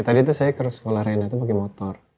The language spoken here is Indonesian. ya tadi tuh saya ke sekolah reina tuh pake motor